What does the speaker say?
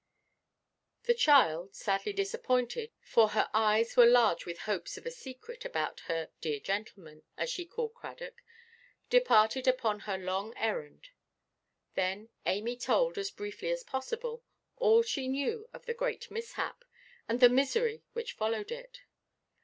The child, sadly disappointed, for her eyes were large with hopes of a secret about her "dear gentleman," as she called Cradock, departed upon her long errand. Then Amy told, as briefly as possible, all she knew of the great mishap, and the misery which followed it.